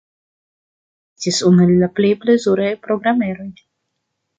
Aŭkcio estis unu el la plej plezuraj programeroj.